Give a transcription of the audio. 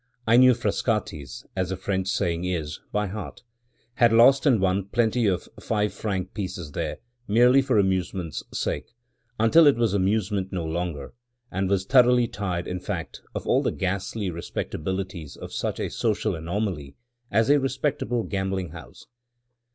I knew Frascati's, as the French saying is, by heart; had lost and won plenty of five franc pieces there, merely for amusement's sake, until it was amusement no longer, and was thoroughly tired, in fact, of all the ghastly respectabilities of such a social anomaly as a respectable gambling house.